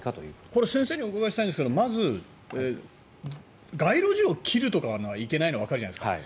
これ、先生にお伺いしたいんですがまず、街路樹を切るというのがいけないのはわかるじゃないですか。